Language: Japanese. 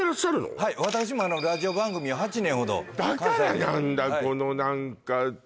はい私もラジオ番組８年ほどだからなんだこの何か何か関西